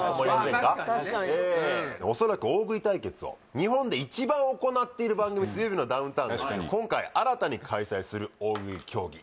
確かにねええ恐らく大食い対決を日本で一番行っている番組「水曜日のダウンタウン」がですね今回新たに開催する大食い競技